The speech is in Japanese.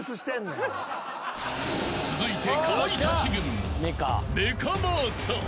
［続いて］